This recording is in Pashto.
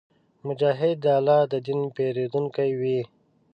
مجاهد د الله د دین پېرودونکی وي.